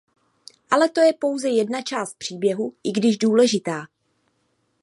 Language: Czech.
Ale to je pouze jedna část příběhu, i když důležitá.